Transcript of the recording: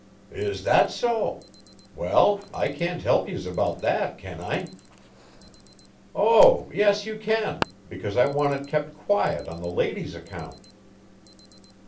"Is that so? Well, I can't help yez about that, can I?" "Oh, yes, you can, because I want it kept quiet on the lady's account."